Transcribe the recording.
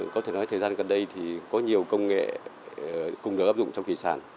có thể nói thời gian gần đây thì có nhiều công nghệ cùng đỡ áp dụng trong hồng vị sản